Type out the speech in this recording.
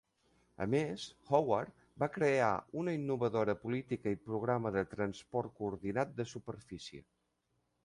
A més, Howard va crear una innovadora política i programa de transport coordinat de superfície.